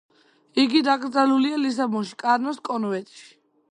იგი დაკრძალულია ლისაბონში, კარნოს კონვენტში.